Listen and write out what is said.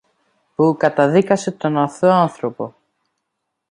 που καταδίκασε τον αθώο άνθρωπο.